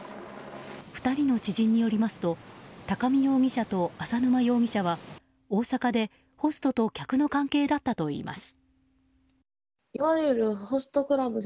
２人の知人によりますと高見容疑者と浅沼容疑者は大阪でホストと客の関係だったといいます。